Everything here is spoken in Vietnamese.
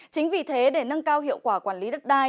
chính vì thế để nâng cao hiệu quả quản lý đất đai